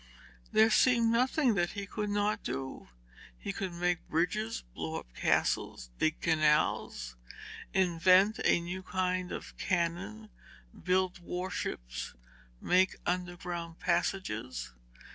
There seemed nothing that he could not do. He could make bridges, blow up castles, dig canals, invent a new kind of cannon, build warships, and make underground passages.